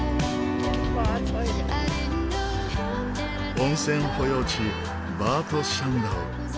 温泉保養地バート・シャンダウ。